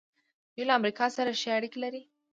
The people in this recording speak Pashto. دوی له امریکا سره ښې اړیکې لري.